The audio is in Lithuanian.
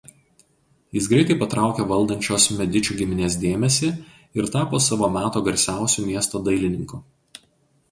Jis greitai patraukė valdančios Medičių giminės dėmesį ir tapo savo meto garsiausiu miesto dailininku.